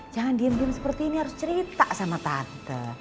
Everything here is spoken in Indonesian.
jangan diem diem seperti ini harus cerita sama tante